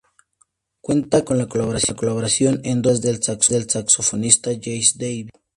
Cuenta con la colaboración en dos pistas del saxofonista Jesse Davis.